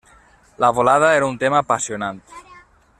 La volada era un tema apassionant.